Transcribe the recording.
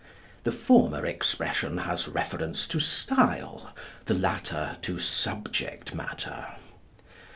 The former expression has reference to style; the latter to subject matter.